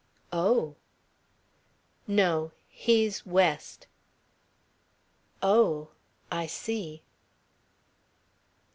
"Oh." "No. He's West." "Oh, I see."